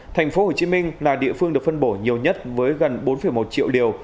tp hcm là địa phương được phân bổ nhiều nhất với gần bốn một triệu liều